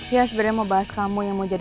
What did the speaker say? ya sebenarnya mau bahas kamu yang mau jadi